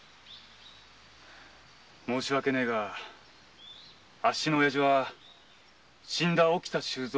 申し訳ねぇがあっしの親父は死んだ沖田収蔵